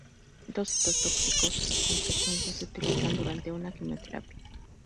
Los medicamentos citotóxicos con frecuencia se utilizan durante una quimioterapia.